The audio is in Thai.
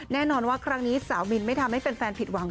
แน่นอนว่าครั้งนี้สาวมินไม่ทำให้แฟนผิดหวัง